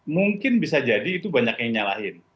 mungkin bisa jadi itu banyak yang nyalahin